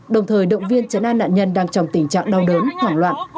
đồng thời động viên chấn an nạn nhân đang trong tình trạng đau đớn hoảng loạn